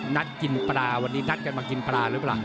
นัดกินปลาวันนี้นัดกันมากินปลาหรือเปล่า